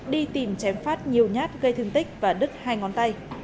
đi tìm chém phát nhiều nhát gây thương tích và đứt hai ngón tay